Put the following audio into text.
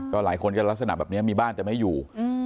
ก็หลายคนก็ลักษณะแบบนี้มีบ้านแต่ไม่อยู่